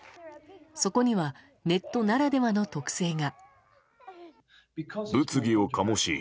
そこにはネットならではの特性が。